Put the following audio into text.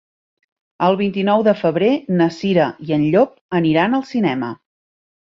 El vint-i-nou de febrer na Cira i en Llop aniran al cinema.